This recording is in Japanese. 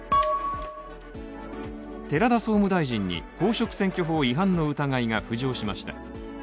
寺田総務大臣に公職選挙法違反の疑いが浮上しました。